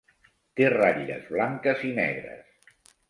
Té ratlles blanques i negres.